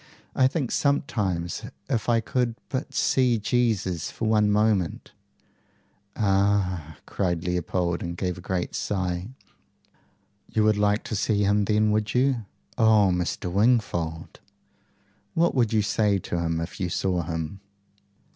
"I think sometimes, if I could but see Jesus for one moment " "Ah!" cried Leopold, and gave a great sigh. "YOU would like to see him then, would you?" "Oh, Mr. Wingfold!" "What would you say to him if you saw him?"